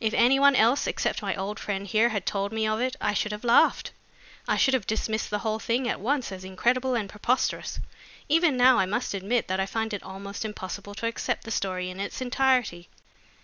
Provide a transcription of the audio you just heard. If any one else except my old friend here had told me of it, I should have laughed. I should have dismissed the whole thing at once as incredible and preposterous. Even now, I must admit that I find it almost impossible to accept the story in its entirety."